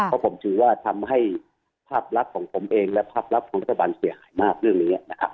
เพราะผมถือว่าทำให้ภาพลักษณ์ของผมเองและภาพลับของรัฐบาลเสียหายมากเรื่องนี้นะครับ